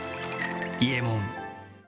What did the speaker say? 伊右衛門。